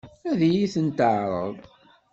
Ad iyi-tent-teɛṛeḍ?